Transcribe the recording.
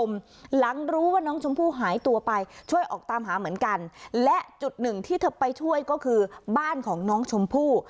หลังรู้ว่าน้องชมพู่หายตัวไปช่วยออกตามหาเหมือนกันและจุดหนึ่งที่เธอไปช่วยก็คือบ้านของน้องชมพู่